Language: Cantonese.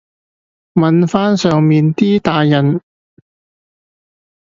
問返上面啲大人